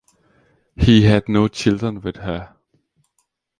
He had no children with her.